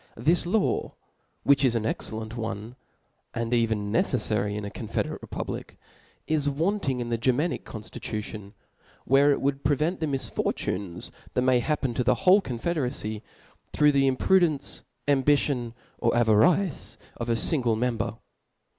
This law, which is an exceli^nt one, and ^even neceflary in a confederate republic, is wanting in the Germanic conftii'ution, where it woiild pre vent the misfortunes that may happen to the whole confederacy, through the imprudence, ambitionj^' 8r' avarice of a fingle member.